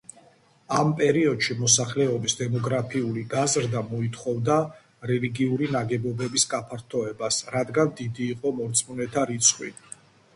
ამ პერიოდში მოსახლეობის დემოგრაფიული გაზრდა მოითხოვდა რელიგიური ნაგებობების გაფართოებას, რადგან დიდი იყო მორწმუნეთა რიცხვი.